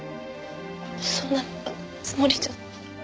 そんなつもりじゃ。